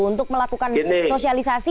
untuk melakukan sosialisasi